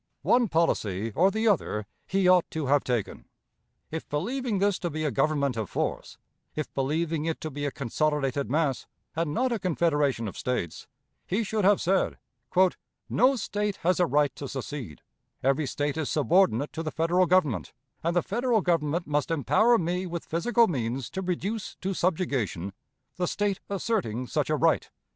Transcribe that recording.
One policy or the other he ought to have taken. If believing this to be a government of force, if believing it to be a consolidated mass, and not a confederation of States, he should have said: "No State has a right to secede; every State is subordinate to the Federal Government, and the Federal Government must empower me with physical means to reduce to subjugation the State asserting such a right."